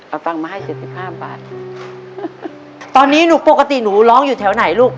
เอาตังค์มาให้เจ็ดสิบห้าบาทตอนนี้หนูปกติหนูร้องอยู่แถวไหนลูก